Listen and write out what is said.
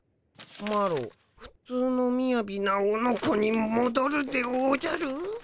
「マロふつうのみやびなオノコにもどるでおじゃる」。